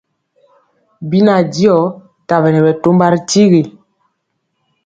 Bina diɔ tabɛne bɛtɔmba ri tyigi.